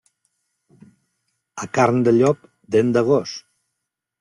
A carn de llop, dent de gos.